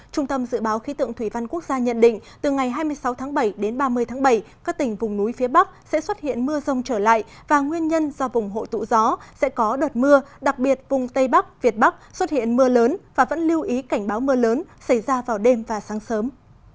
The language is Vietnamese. trung tâm dự báo khí tượng thủy văn quốc gia nhận định từ ngày hai mươi sáu tháng bảy đến ba mươi tháng bảy các tỉnh vùng núi phía bắc sẽ xuất hiện mưa rông trở lại và nguyên nhân do vùng hội tụ gió sẽ có đợt mưa đặc biệt vùng tây bắc việt bắc xuất hiện mưa lớn và vẫn lưu ý cảnh báo mưa lớn xảy ra vào đêm và sáng sớm